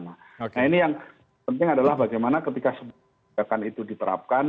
nah ini yang penting adalah bagaimana ketika itu diterapkan